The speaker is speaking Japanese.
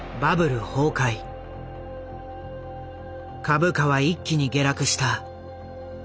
株価は一気に下落した。